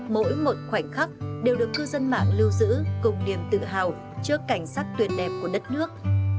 mỗi một khoảnh khắc đều được cư dân mạng lưu giữ cùng niềm tự hào trước cảnh sắc tuyệt đẹp của đất nước